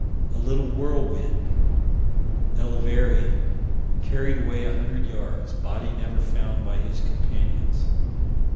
A little whirlwind Elverean carried away a hundred yards body never found by his companions.